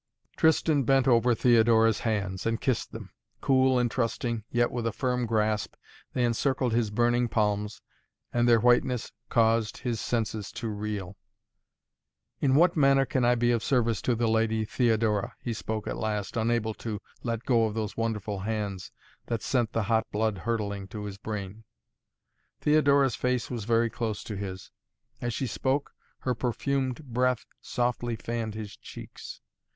Tristan bent over Theodora's hands and kissed them. Cool and trusting, yet with a firm grasp, they encircled his burning palms and their whiteness caused his senses to reel. "In what manner can I be of service to the Lady Theodora?" he spoke at last, unable to let go of those wonderful hands that sent the hot blood hurtling to his brain. Theodora's face was very close to his. As she spoke, her perfumed breath softly fanned his cheeks.